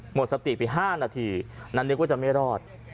หมดสติไป๕นาทีนั้นนึกว่าจะไม่รอด